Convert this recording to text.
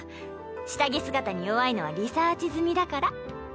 下着姿に弱いのはリサーチ済みだから。